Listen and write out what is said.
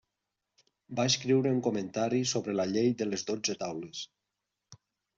Va escriure un comentari sobre la llei de les dotze taules.